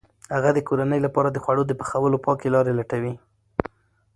هغه د کورنۍ لپاره د خوړو د پخولو پاکې لارې لټوي.